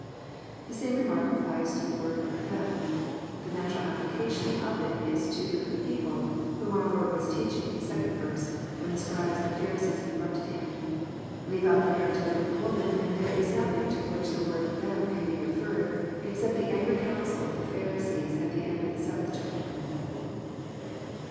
The same remark applies to the word " them." The natural application of it is to the people " whom our Lord was teach ing. In the 2nd verse, when the Scribes and Pharisees interrup ted him. Leave out the narrative of the woman, and there Is nothing to which the word "them " can be referred, except the angry council of the Pharisees at the end of the seventh chapter.